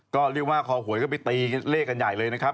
ก็เรียกว่าคอหวยก็ไปตีเลขกันใหญ่เลยนะครับ